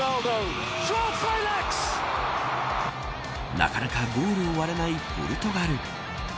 なかなかゴールを割れないポルトガル。